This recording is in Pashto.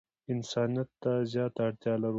انسانیت ته زیاته اړتیا لرو.